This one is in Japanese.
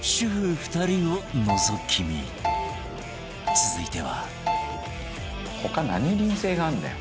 続いては